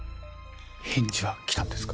返事は来たんですか？